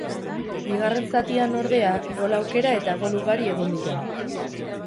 Bigarren zatian, ordea, gol aukera eta gol ugari egon dira.